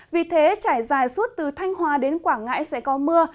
vì thế trải dài suốt từ thanh hòa đến quảng ngãi sẽ có mưa